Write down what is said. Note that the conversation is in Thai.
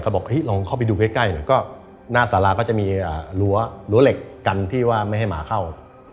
ก็บอกเห้ยลองเข้าไปดูใกล้หน้าสาราก็จะมีหลัวเหล็กกันที่ว่าไม่ให้หมาเข้า